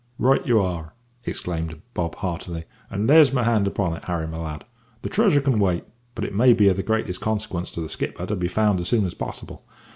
"Right you are," exclaimed Bob heartily; "and there's my hand upon it, Harry, my lad. The treasure can wait; but it may be of the greatest consequence to the skipper to be found as soon as possible.